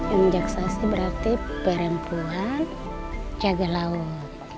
jomjak sasi berarti perempuan penjaga laut